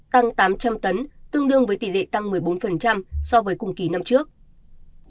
tăng tám trăm linh tấn tương đương với tỷ lệ tăng một mươi bốn so với cùng kỳ năm trước